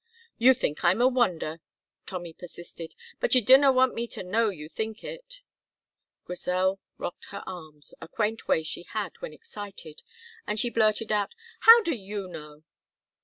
"You think I'm a wonder," Tommy persisted, "but you dinna want me to know you think it." Grizel rocked her arms, a quaint way she had when excited, and she blurted out, "How do you know?"